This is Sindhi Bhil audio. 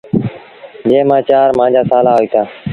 جݩهݩ مآݩ چآر مآݩجآ سآلآ هوئيٚتآ۔